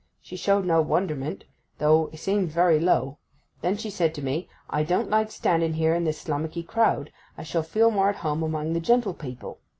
She showed no wonderment, though a' seemed very low. Then she said to me, "I don't like standing here in this slummocky crowd. I shall feel more at home among the gentlepeople."